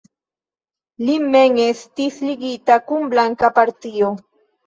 Li mem estis ligita kun blanka partio.